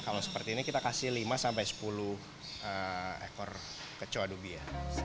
kalau seperti ini kita kasih lima sampai sepuluh ekor kecoa dubia